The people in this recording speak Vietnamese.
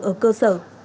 ở cơ sở